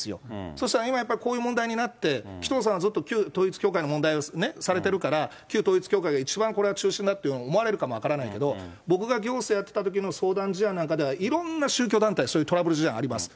そうしたこういう問題になって、紀藤さんはずっと旧統一教会の問題をされてるから、旧統一教会が一番これは中心だって思われるかもしれないけども、僕が行政をやってたときの相談事案の中ではいろんな宗教団体、そういうトラブル事案あります。